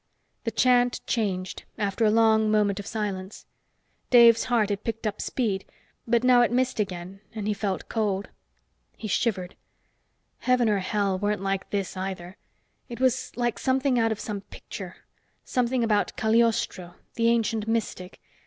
The chant changed, after a long moment of silence. Dave's heart had picked up speed, but now it missed again, and he felt cold. He shivered. Hell or heaven weren't like this, either. It was like something out of some picture something about Cagliostro, the ancient mystic.